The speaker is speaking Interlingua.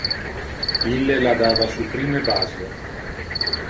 Ille la dava su prime basio.